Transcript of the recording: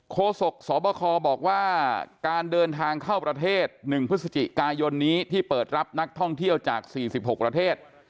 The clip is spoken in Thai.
โศกสบคบอกว่าการเดินทางเข้าประเทศ๑พฤศจิกายนนี้ที่เปิดรับนักท่องเที่ยวจาก๔๖ประเทศ